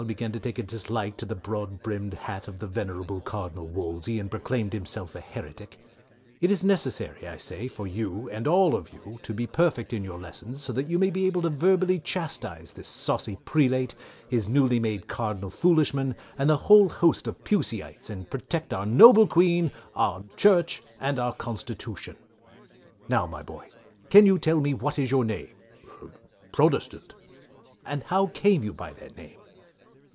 began to take a dislike to the broad brimmed hat of the venerable Cardinal Wolsey, and proclaimed himself an heretic; It is necessary I say, for you, and all of you, to be perfect in your Lessons so as you may be able to verbly chastize this saucy prelate, his newly made Cardinal Foolishman, and the whole host of Puseites and protect our beloved Queen, our Church, and our Constitution. "Q. Now my boy can you tell me what is your Name? "A. B Protestant. "Q. How came you by that name?